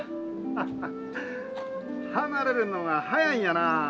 ハハッ離れるのが早いんやな。